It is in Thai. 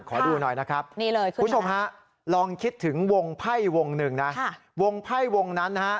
ขอดูหน่อยนะครับคุณผู้ชมฮะลองคิดถึงวงไพ่วงหนึ่งนะวงไพ่วงนั้นนะฮะ